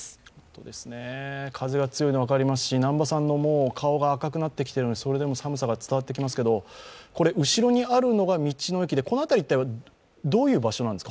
風が強いのが分かりますし南波さんの顔が赤くなってきているので、それでも寒さが伝わってきますけど後ろにあるのが道の駅でこの辺り一帯はどういう場所なんですか。